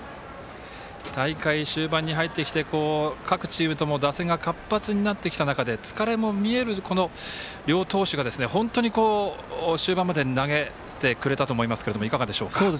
大会終盤に入ってきて各チームとも打線が活発になってきた中で疲れも見える両投手が本当に終盤まで投げてくれたと思いますけどいかがでしょうか？